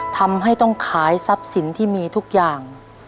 ทำให้ต้องขายทรัพย์สินที่มีทุกอย่าง